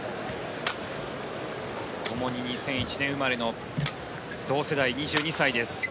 ともに２００１年生まれの同世代、２２歳です。